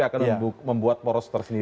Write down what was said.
akan membuat poros tersendiri